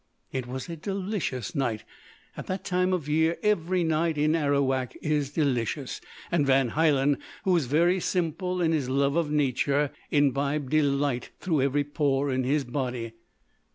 It was a delicious night at that time of year every night in Arawak is delicious and Van Hielen, who was very simple in his love of nature, imbibed delight through every pore in his body.